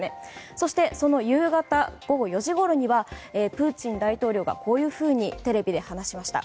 そしてその夕方、午後４時ごろにはプーチン大統領がこういうふうにテレビで話しました。